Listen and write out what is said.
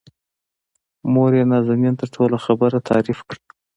موريې نازنين ته ټوله خبره تعريف کړه.